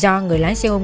do người lái xe hôm